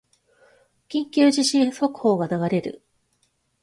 緊急地震速報が流れる